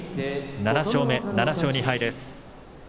７勝目、７勝２敗です。